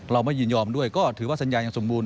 ไม่ยินยอมด้วยก็ถือว่าสัญญายังสมบูรณ